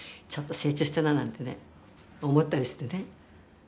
ちょっと成長したななんてね思ったりしてね。